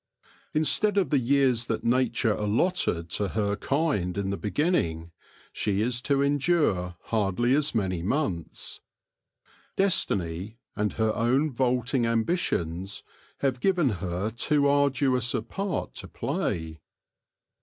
Instead of the years that nature allotted to her kind in the beginning, she is to endure hardly as many months. Destiny, and her own vaulting ambi tions, have given her too arduous a part to play.